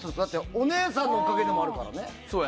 お姉さんのおかげでもあるからね。